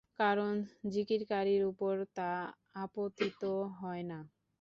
কারণ যিকিরকারীর উপর তা আপতিত হয় না।